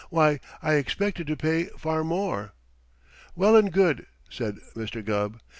"Why, I expected to pay far more." "Well and good," said Mr. Gubb.